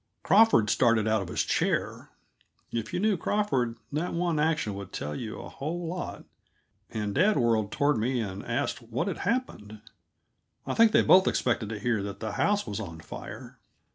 Crawford started out of his chair if you knew Crawford that one action would tell you a whole lot and dad whirled toward me and asked what had happened. I think they both expected to hear that the house was on fire.